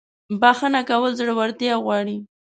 • بخښنه کول زړورتیا غواړي.